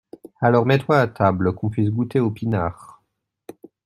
alors mets-toi à table, qu’on puisse goûter au pinard